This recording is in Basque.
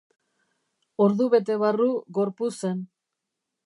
Ordubete barru gorpu zen.